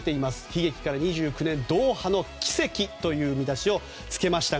悲劇から２９年ドーハの奇跡という見出しをつけました。